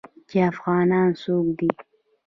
چې افغانان څوک دي.